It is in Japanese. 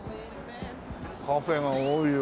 カフェが多いよ